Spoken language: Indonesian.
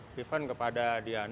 ke diana dan teman teman